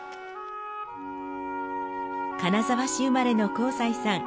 金沢市生まれの幸才さん。